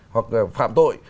hoặc là phạm tội